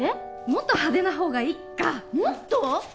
もっと派手な方がいっかもっと？